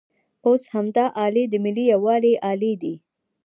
اوس همدا الې د ملي یووالي الې ده.